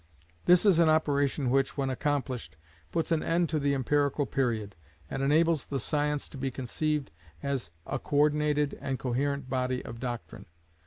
This is an operation which, when accomplished, puts an end to the empirical period, and enables the science to be conceived as a co ordinated and coherent body of doctrine.